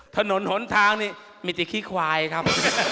ถนนหนทางนี่มีแต่ขี้ควายครับ